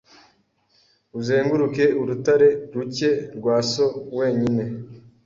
Uzenguruke urutare rucye rwa so wenyine